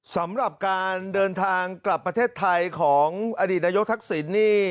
สำหรับการเดินทางกลับประเทศไทยของอดีตนายกทักษิณนี่